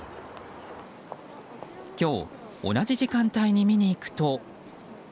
今日、同じ時間帯に見に行くと。